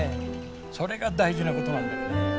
それが大事なことなんだよね。